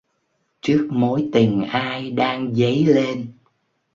Trước mối tình ai đang dấy lên.